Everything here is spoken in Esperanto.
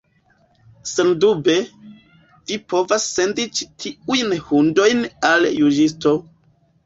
Sendube, vi povas sendi ĉi tiujn hundojn al juĝisto.